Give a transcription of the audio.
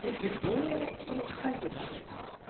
どう、その高い声を出すんですか？